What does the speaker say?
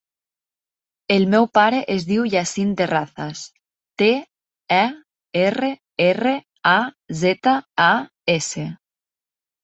El meu pare es diu Yassine Terrazas: te, e, erra, erra, a, zeta, a, essa.